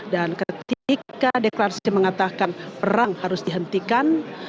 dan ketika deklarasi mengatakan perang harus dihentikan